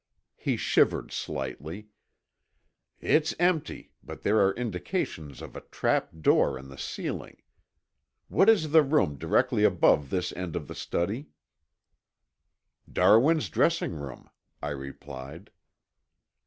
He shivered slightly. "It's empty, but there are indications of a trap door in the ceiling. What is the room directly above this end of the study?" "Darwin's dressing room," I replied.